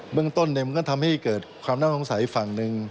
เรื่องต้นมันก็ทำให้เกิดความน่าสงสัยอีกฝั่งหนึ่ง